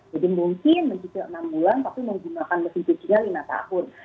jadi mungkin mencicil enam bulan tapi menggunakan mesin cuci lima tahun